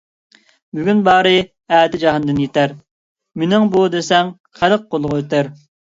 بۈگۈن بارى ئەتە جاھاندىن يىتەر، «مېنىڭ بۇ» دېسەڭ خەق قولىغا ئۆتەر.